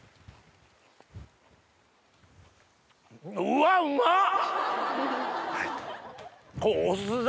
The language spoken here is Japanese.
うわうまっ！